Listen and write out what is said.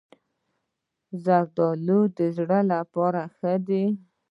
زردالو د زړه لپاره ښه ده.